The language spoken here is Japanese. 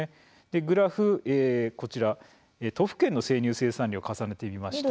グラフ、こちら都府県の生乳生産量、重ねてみました。